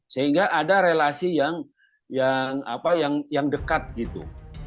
sehingga ada relasi yang dekat gitu